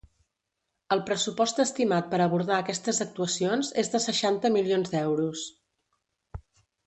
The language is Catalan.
El pressupost estimat per abordar aquestes actuacions és de seixanta milions d’euros.